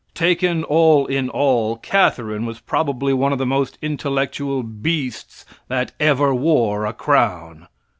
Taken all in all, Catharine was probably one of the most intellectual beasts that ever wore a crown.